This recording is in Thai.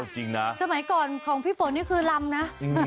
จริงนะสมัยก่อนของพี่ฝนนี่คือลำนะ